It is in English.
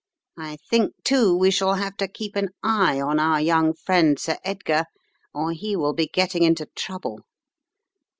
I think, too, we shall have to keep an eye on our young friend, Sir Edgar, or he will be getting into trouble.